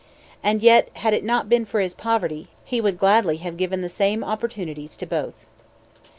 And yet, had it not been for his poverty, he would gladly have given the same opportunities to both.